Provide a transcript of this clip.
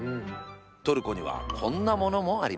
トルコにはこんなものもあります。